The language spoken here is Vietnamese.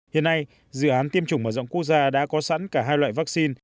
hiện nay dự án tiêm chủng mở rộng quốc gia đã có sẵn cả hai loại vaccine